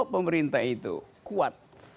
pemerintah itu kuat